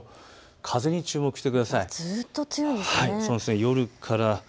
風に注目してください。